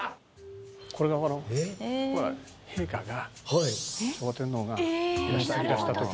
これが陛下が昭和天皇がいらした時の。